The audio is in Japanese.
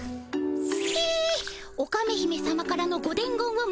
えオカメ姫さまからのご伝言を申しあげまする。